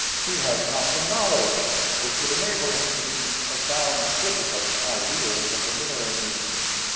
He has not the knowledge which would enable him to be a sound critic of the ideals of the Middle Ages.